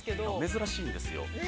◆珍しいんですよ。